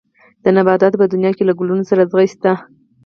د نباتاتو په دنيا کې له ګلونو سره ازغي شته.